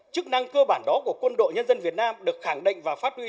chức năng cơ bản đó của quân đội nhân dân việt nam được khẳng định và phát huy